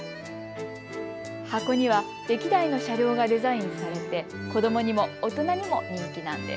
箱には歴代の車両がデザインされて子どもにも大人にも人気なんです。